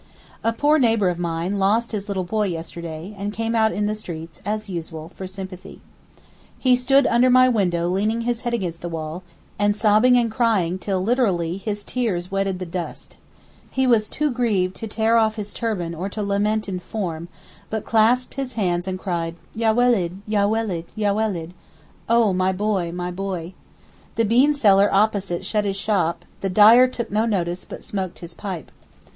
A poor neighbour of mine lost his little boy yesterday, and came out in the streets, as usual, for sympathy. He stood under my window leaning his head against the wall, and sobbing and crying till, literally, his tears wetted the dust. He was too grieved to tear off his turban or to lament in form, but clasped his hands and cried, 'Yah weled, yah weled, yah weled' (O my boy, my boy). The bean seller opposite shut his shop, the dyer took no notice but smoked his pipe.